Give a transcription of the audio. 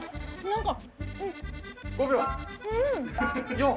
何か。